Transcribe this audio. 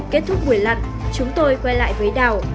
kết thúc buổi lặn chúng tôi quay lại với đảo